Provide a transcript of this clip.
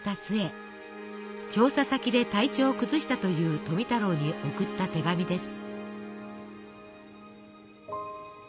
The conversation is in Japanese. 調査先で体調を崩したという富太郎に送った手紙です。